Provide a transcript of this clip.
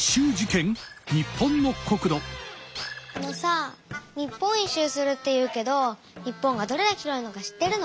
あのさぁ日本一周するって言うけど日本がどれだけ広いのか知ってるの？